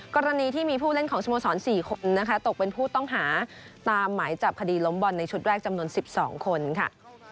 กรณีที่มีผู้เล่นของสโมสร๔คนนะคะตกเป็นผู้ต้องหาตามหมายจับคดีล้มบอลในชุดแรกจำนวน๑๒คนค่ะ